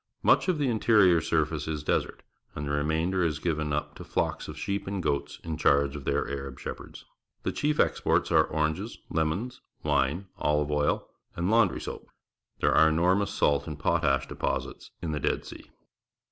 Much of the interior surface is desert, and the remainder is given up to flocks of sheep and goats in charge of their Arab shepherds. The chief exports are oranges, lemons, wine, olive oil, and laundry soap. There are enorm ous salt and potash deposits in the Dead Sea.